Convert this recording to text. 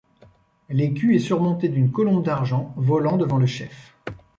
L'écu est surmonté d'une colombe d'argent volant devant le chef.